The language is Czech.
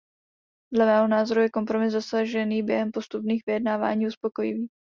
Dle mého názoru je kompromis dosažený během postupných vyjednávání uspokojivý.